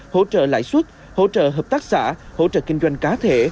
hỗ trợ lãi suất hỗ trợ hợp tác xã hỗ trợ kinh doanh cá thể